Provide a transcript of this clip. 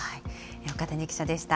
岡谷記者でした。